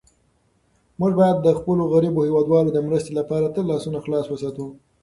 موږ باید د خپلو غریبو هېوادوالو د مرستې لپاره تل لاسونه خلاص وساتو.